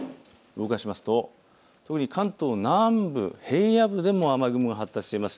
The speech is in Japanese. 動かしますと特に関東南部、平野部でも雨雲、発達しています。